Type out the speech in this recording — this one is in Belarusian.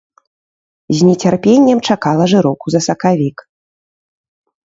З нецярпеннем чакала жыроўку за сакавік.